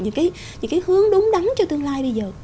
những cái hướng đúng đắn cho tương lai bây giờ